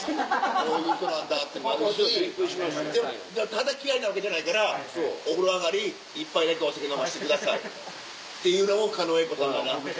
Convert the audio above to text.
ただ嫌いなわけじゃないから「お風呂上がり１杯だけお酒飲ましてください」っていうのも狩野英孝さんだな。